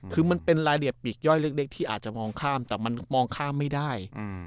คือมันเป็นรายละเอียดปีกย่อยเล็กที่อาจจะมองข้ามแต่มันมองข้ามไม่ได้